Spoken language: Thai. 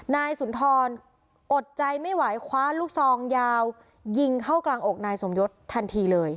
นายสุนทรอดใจไม่ไหวคว้าลูกซองยาวยิงเข้ากลางอกนายสมยศทันทีเลย